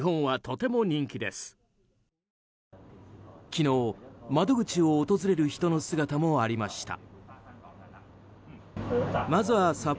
昨日、窓口を訪れる人の姿もありました。